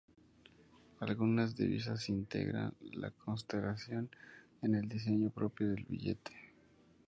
Algunas divisas integran la constelación en el diseño propio del billete.